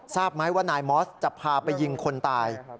ทราบไหมว่านายมอสจะพาไปยิงคนตาย